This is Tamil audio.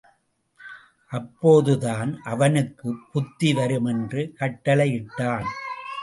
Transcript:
அப்போதுதான் அவனுக்குப் புத்தி வரும் என்று கட்டளையிட்டான்.